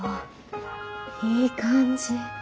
いい感じ。